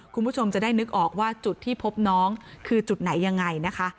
คุณผู้ชมจะได้นึกออกว่าจุดที่พบน้องคือจุดไหนยังไงนะคะ